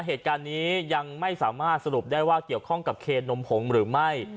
เหตุการณ์นี้ยังไม่สามารถสรุปได้ว่าเกี่ยวข้องกับเคนนมผงหรือไม่